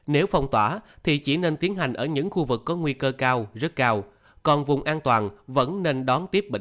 nếu phong tỏa thì chỉ nên tiến hành ở những khu vực có nguy cơ cao rất cao